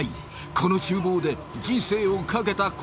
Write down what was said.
この厨房で人生を懸けたコース